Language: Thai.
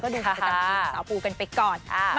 ก็เดินไปกับสาวปูกันไปก่อน